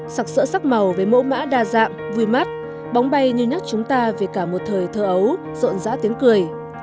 sạc sỡ sắc màu với mẫu mã đa dạng vui mắt bóng bay như nhắc chúng ta về cả một thời thơ ấu rộn rã tiếng cười